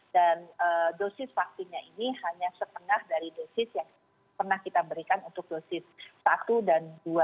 dan dosis vaksinnya ini hanya setengah dari dosis yang pernah kita berikan untuk dosis satu dan dua